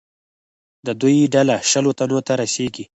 د دوی ډله شلو تنو ته رسېږي.